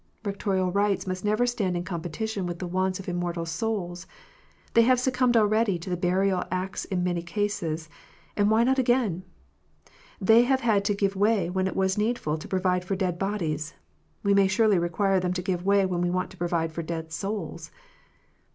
Rectorial rights must never stand in competition with the wants of immortal souls : they have suc cumbed already to the Burial Acts in many cases, and why not again 1 They have had to give way when it was needful to provide for dead bodies ; we may surely require them to give way when we want to provide for dead souls.